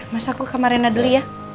mas aku ke kamar rena dulu ya